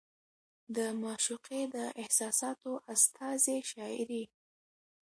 د معشوقې د احساساتو استازې شاعري